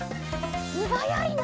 すばやいな。